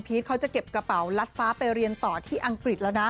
เขาจะเก็บกระเป๋าลัดฟ้าไปเรียนต่อที่อังกฤษแล้วนะ